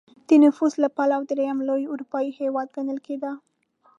د نفوس له پلوه درېیم لوی اروپايي هېواد ګڼل کېده.